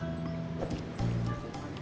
tidak ada yang bisa dihukum